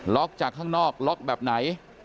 จากข้างนอกล็อกแบบไหน